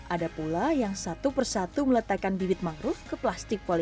ada pula yang satu persatu meletakkan bibit mangrove ke plastik poly